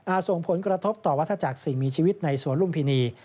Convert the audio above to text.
ส่งผลกระทบต่อวัฒนาจักรสิ่งมีชีวิตในสวนลุมพินี